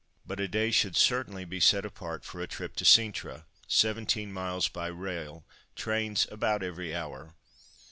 But a day should certainly be set apart for a trip to Cintra (17m. by rail, trains about every hour).